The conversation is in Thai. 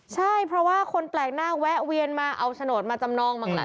ใช่เพราะว่าคนแปลกหน้าแวะเวียนมาเอาโฉนดมาจำนองบ้างแหละ